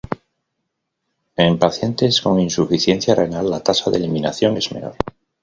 En pacientes con insuficiencia renal la tasa de eliminación es menor.